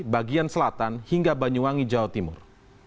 bagian selatan hingga banyuwangi jawa timur